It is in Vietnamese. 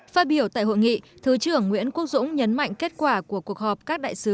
phát biểu tại hội nghị thứ trưởng nguyễn quốc dũng nhấn mạnh kết quả của cuộc họp các đại sứ